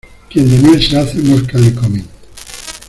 Quien de miel se hace, moscas le comen.